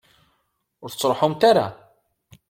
Ur tettruḥumt ara?